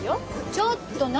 ちょっと何？